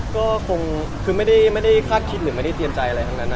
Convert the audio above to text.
ก็คงคือไม่ได้คาดคิดหรือไม่ได้เตรียมใจอะไรทั้งนั้น